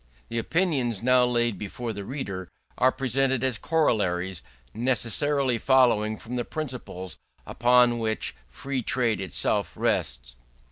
The opinions now laid before the reader are presented as corollaries necessarily following from the principles upon which Free Trade itself rests.